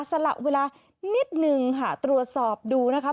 สำหรับเวลานิดหนึ่งหาตรวจสอบดูนะคะ